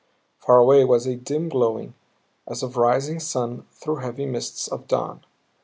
Far away was a dim glowing, as of rising sun through heavy mists of dawn.